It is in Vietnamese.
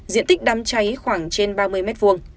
diện tích đám cháy khoảng trên ba mươi m hai